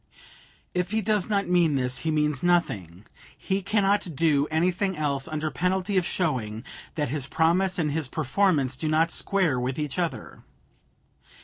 If he does not mean this, he means nothing. He cannot do anything else under penalty of showing that his promise and his performance do not square with each other.